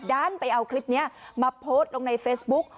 ด้านไปเอาคลิปนี้มาโพสต์ลงในเฟซบุ๊ก